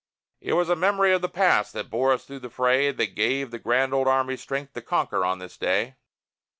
It was the memory of the past that bore us through the fray, That gave the grand old Army strength to conquer on this day!